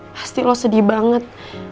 pasti lo sedih banget